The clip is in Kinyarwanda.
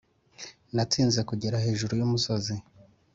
natsinze kugera hejuru yumusozi.